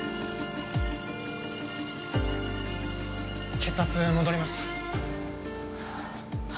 血圧戻りました